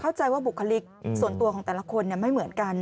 เข้าใจว่าบุคลิกส่วนตัวของแต่ละคนไม่เหมือนกัน